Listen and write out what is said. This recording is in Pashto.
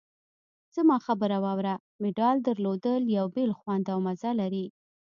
زما خبره واوره! مډال درلودل یو بېل خوند او مزه لري.